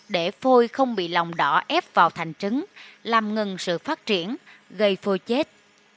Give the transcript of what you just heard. để phôi không bị lòng đỏ ép vào thành chứng làm ngừng sự phát triển gây phôi chết